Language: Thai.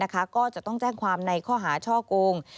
ก็จะต้องแจ้งความในข้อหาช่อโกง